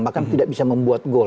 bahkan tidak bisa membuat gol